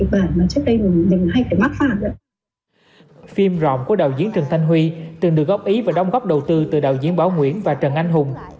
phim rộn của đạo diễn trần thanh huy từng được góp ý và đóng góp đầu tư từ đạo diễn bảo nguyễn và trần anh hùng